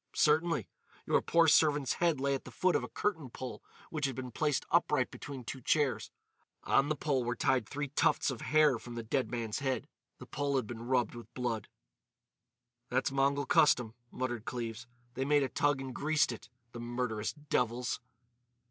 "Certainly. Your poor servant's head lay at the foot of a curtain pole which had been placed upright between two chairs. On the pole were tied three tufts of hair from the dead man's head. The pole had been rubbed with blood." "That's Mongol custom," muttered Cleves. "They made a toug and 'greased' it!—the murderous devils!"